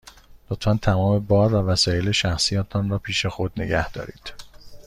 لطفاً تمام بار و وسایل شخصی تان را پیش خود نگه دارید.